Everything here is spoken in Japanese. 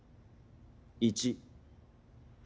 １。